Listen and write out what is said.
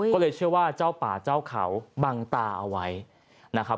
ก็เลยเชื่อว่าเจ้าป่าเจ้าเขาบังตาเอาไว้นะครับ